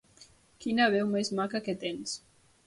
Quina veu més maca que tens!